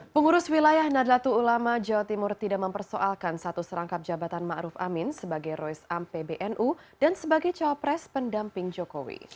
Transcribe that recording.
pengurus wilayah nadlatul ulama jawa timur tidak mempersoalkan satu serangkap jabatan ⁇ maruf ⁇ amin sebagai rois am pbnu dan sebagai cawapres pendamping jokowi